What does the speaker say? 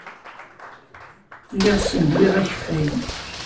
Lliɣ ssenduyeɣ akeffay.